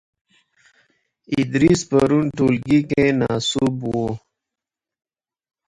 ادریس پرون ټولګې کې ناسوب وو .